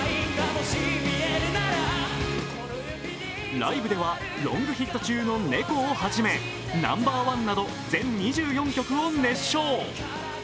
ライブではロングヒット中の「猫」を始め「Ｎｏ．１」など全２４曲を熱唱。